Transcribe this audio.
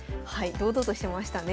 堂々としてましたね。